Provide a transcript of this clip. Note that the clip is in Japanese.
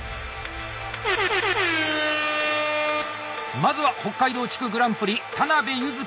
まずは北海道地区グランプリ田鍋柚姫１３歳！